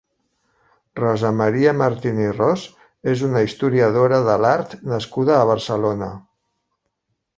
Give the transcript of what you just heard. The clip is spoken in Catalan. Rosa Maria Martín i Ros és una historiadora de l'art nascuda a Barcelona.